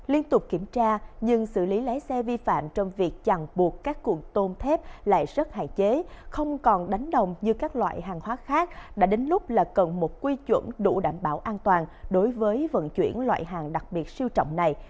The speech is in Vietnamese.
liên tục kiểm tra nhưng xử lý lái xe vi phạm trong việc chặn buộc các cụm tôn thép lại rất hạn chế không còn đánh đồng như các loại hàng hóa khác đã đến lúc là cần một quy chuẩn đủ đảm bảo an toàn đối với vận chuyển loại hàng đặc biệt siêu trọng này